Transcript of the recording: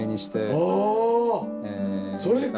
あ！それか！